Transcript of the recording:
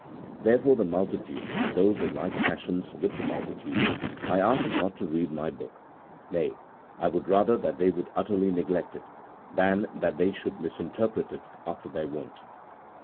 Therefore the multitude, and those of like passions with the multitude, I ask not to read my book ; nay, I would rather that they should utterly neglect it, than that they should misinterpret it after their wont.